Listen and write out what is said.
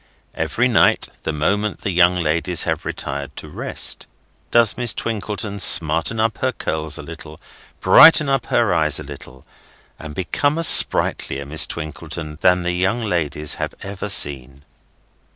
Every night, the moment the young ladies have retired to rest, does Miss Twinkleton smarten up her curls a little, brighten up her eyes a little, and become a sprightlier Miss Twinkleton than the young ladies have ever seen.